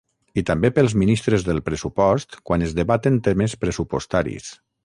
I també pels ministres del pressupost quan es debaten temes pressupostaris.